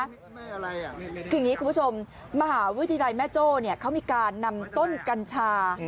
คืออย่างนี้คุณผู้ชมมหาวิทยาลัยแม่โจ้เนี่ยเขามีการนำต้นกัญชา